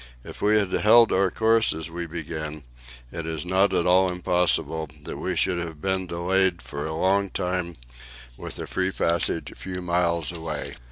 If we had held our course as we began, it is not at all impossible that we should have been delayed for a long time, with a free passage a few miles away.